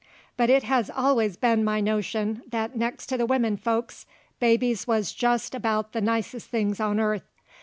But it has allus been my notion that nex' to the wimmin folks babies wuz jest about the nicest things on earth.